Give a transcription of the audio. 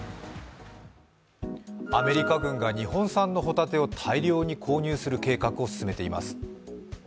アメリカ軍が日本産の帆立てを大量に購入する計画を進めています。